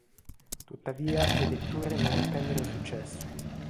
Tuttavia le vetture non ottennero successo.